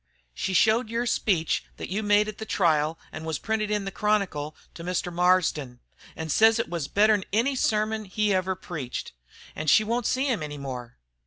She showed yer speech, thet you made at the trial, an' was printed in the Chronicle, to Mr. Marsden, an' sez it was better 'n any sermon he ever preached. An' she won't see him any more.